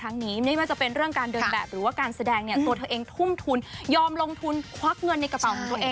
แล้วก็จริงตัวเธอเนี่ยในการการแสดงเนี่ยตัวเธอเองทุ่มทุนยอมลงทุนควักเงินในกระเป๋า